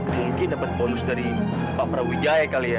mungkin dapat bonus dari pak prabu wijaya kali ya